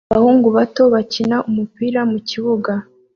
Abahungu bato bakina umupira mukibuga